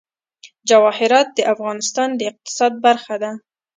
جواهرات د افغانستان د اقتصاد برخه ده.